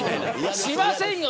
しませんよ